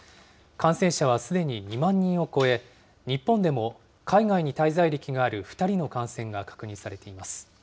感染者はすでに２万人を超え、日本でも、海外に滞在歴がある２人の感染が確認されています。